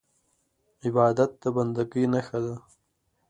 عبادت د بندګۍ نښه ده.